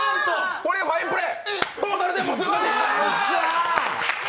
これはファインプレー。